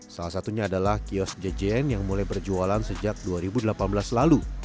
salah satunya adalah kios jjn yang mulai berjualan sejak dua ribu delapan belas lalu